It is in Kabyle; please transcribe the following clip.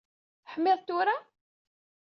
Teḥmiḍ tura?